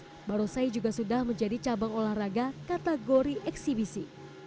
padahal tahun dua ribu enam belas barongsai juga sudah menjadi cabang olahraga kategori eksibisi